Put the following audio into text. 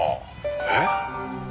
えっ！？